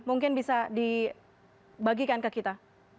mungkin bisa dibagikan ke kita